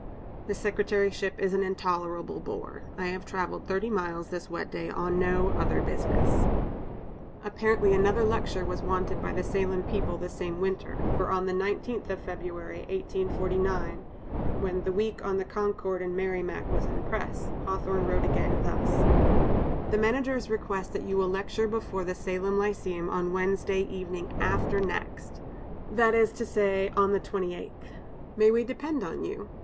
"This secretaryship is an intolerable bore. I have traveled thirty miles, this wet day, on no other business." Apparently another lecture was wanted by the Salem people the same winter, for on the 19th of February, 1849, when the "Week on the Concord and Merrimac" was in press, Hawthorne wrote again, thus: "The managers request that you will lecture before the Salem Lyceum on Wednesday evening after next, that is to say, on the 28th inst. May we depend on you?